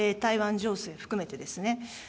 情勢含めてですね。